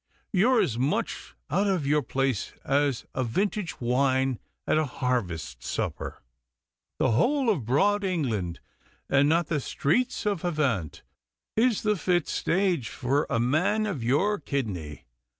You are as much out of your place as a vintage wine at a harvest supper. The whole of broad England, and not the streets of Havant, is the fit stage for a man of your kidney.